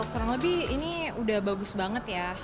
kurang lebih ini udah bagus banget ya